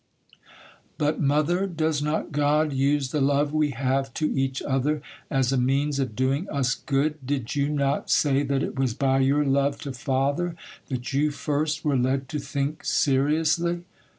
'But, mother, does not God use the love we have to each other as a means of doing us good? Did you not say that it was by your love to father that you first were led to think seriously?